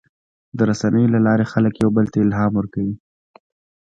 د رسنیو له لارې خلک یو بل ته الهام ورکوي.